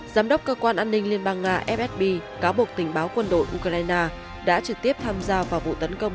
giám đốc cơ quan an ninh liên bang nga fsb cáo buộc tình báo quân đội ukraine đã trực tiếp tham gia vào vụ tấn công